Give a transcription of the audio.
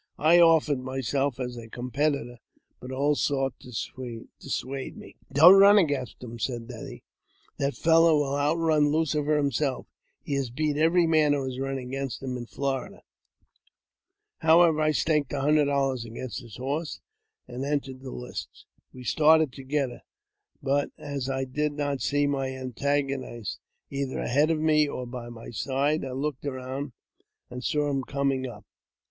I offered myself as a competitor, but all sought to dissuade me. " Don't run against him," said they ;" that fellow will ' outrun Lucifer himself. He has beat every man who has run against him in Florida." However, I staked a hundred dollars against his horse, and entered the lists. We started together ; but, as I did not see my antagonist, either ahead of me or by my side, I looked around, and saw him coming up.